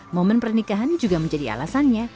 momen pernikahan juga menjadi alasannya